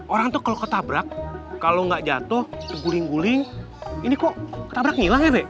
orang tuh kalo ketabrak kalo gak jatuh berguling guling ini kok ketabrak ngilang ya be